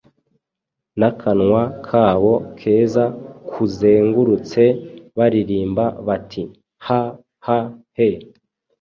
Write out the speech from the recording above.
N'akanwa kabo keza kuzengurutse baririmba bati 'Ha, ha he!'